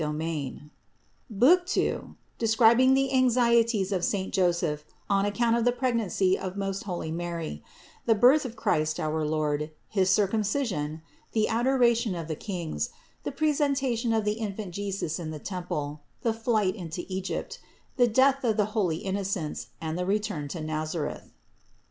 BOOK TWO BOOK IV, II OF II PART Describing the Anxieties of Saint Joseph on Account of the Pregnancy of Most Holy Mary, the Birth of Christ our Lord, His Circumcision, the Adoration of the Kings, the Presentation of the Infant Jesus In the Temple, the Fiight into Egypt, the Death of the Holy Innocents, and the Return to Nazareth.